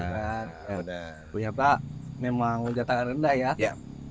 pokoknya pak memang ujatan rendah ya